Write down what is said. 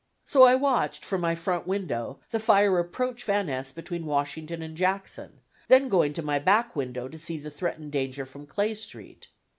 So I watched from my front window, the fire approach Van Ness between Washington and Jackson, then going to my back window to see the threatened danger from Clay Street.